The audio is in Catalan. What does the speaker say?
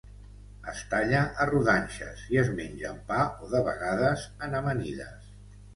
Es talla a rodanxes i es menja amb pa, o de vegades en amanides.